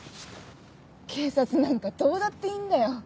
警察なんかどうだっていいんだよ。